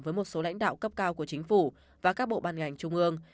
với một số lãnh đạo cấp cao của chính phủ và các bộ ban ngành trung ương